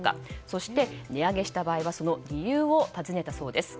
そして、値上げした場合はその理由を尋ねたそうです。